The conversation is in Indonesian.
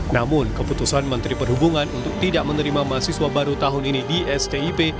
namun keputusan menteri perhubungan untuk tidak menerima mahasiswa baru tahun ini di stip